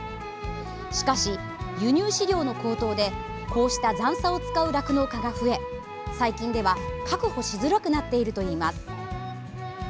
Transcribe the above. しかし、輸入飼料の高騰でこうした残さを使う酪農家が増え最近では確保しづらくなっているといいます。